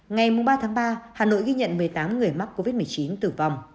ngày ba tháng ba hà nội ghi nhận một mươi tám người mắc covid một mươi chín tử vong